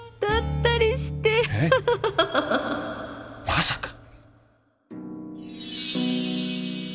まさか。